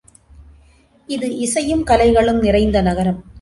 இது இசையும் கலைகளும் நிறைந்த நகரம்.